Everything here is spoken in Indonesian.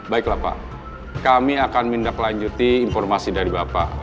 baiklah pak kami akan minta lanjuti informasi dari bapak